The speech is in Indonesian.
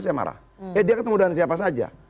eh dia ketemu dengan siapa saja